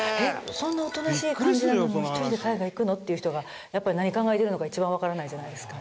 そんなおとなしい感じなのに１人で海外行くの？っていう人がやっぱ何考えてるのか一番わからないじゃないですか。